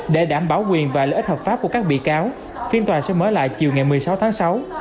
để đảm bảo quyền và lợi ích hợp pháp của các bị cáo phiên tòa sẽ mở lại chiều ngày một mươi sáu tháng sáu